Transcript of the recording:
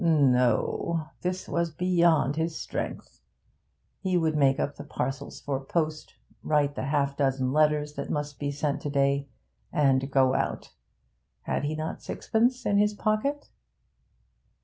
No! This was beyond his strength. He would make up the parcels for post, write the half dozen letters that must be sent to day, and go out. Had he not sixpence in his pocket?